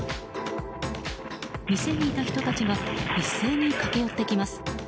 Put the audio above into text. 店にいた人たちが一斉に駆け寄ってきます。